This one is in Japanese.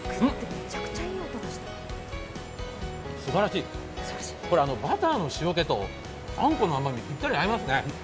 すばらしい、バターの塩気とあんこの甘み、ぴったり合いますね